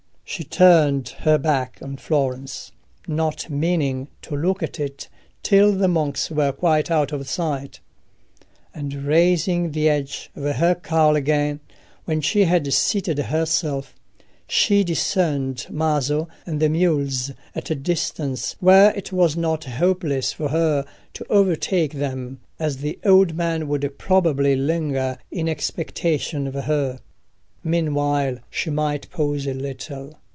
She turned her back on Florence, not meaning to look at it till the monks were quite out of sight, and raising the edge of her cowl again when she had seated herself, she discerned Maso and the mules at a distance where it was not hopeless for her to overtake them, as the old man would probably linger in expectation of her. Meanwhile she might pause a little.